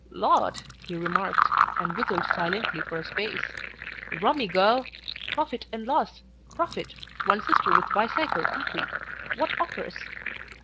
"Lord!" he remarked, and whistled silently for a space. "Rummy go! profit and loss; profit, one sister with bicycle complete, wot offers?